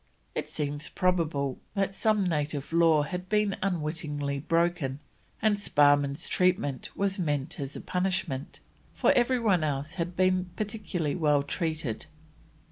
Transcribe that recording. It seems probable that some native law had been unwittingly broken and Sparrman's treatment was meant as a punishment, for every one else had been particularly well treated.